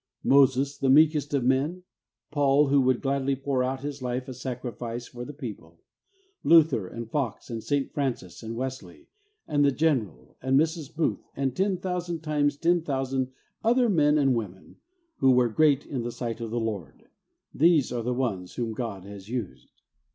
Moses, the meekest of men ; Paul, who would gladly pour out his life a sacrifice for the WHY SHOULD WE BE HOLY ? I I people ; Luther and Fox, and St. Francis and Wesley, and The General and Mrs. Booth, and ten thousand times ten thousand other men and women, who were 'great in the sight of the Lord.' These are the ones whom God has used.